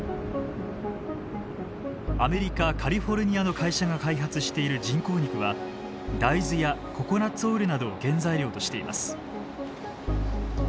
アメリカ・カリフォルニアの会社が開発している人工肉は大豆やココナツオイルなどを原材料としています。